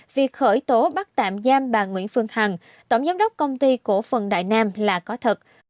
việc khởi tố bắt tạm giam bà nguyễn phương hằng tổng giám đốc công ty cổ phần đại nam là có thật